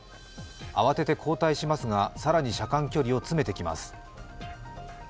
慌てて後退しますが、更に車間距離を詰めてきます。